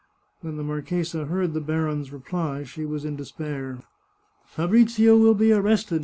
When the marchesa heard the baron's reply she was in despair. " Fabrizio will be arrested